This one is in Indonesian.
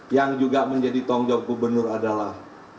yang juga menjadi tongjok gubernur adalah